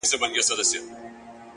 سیاه پوسي ده. مرگ خو یې زوی دی.